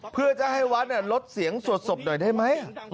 เพื่อจะให้วัดลดเสียงสวดศพหน่อยได้ไหม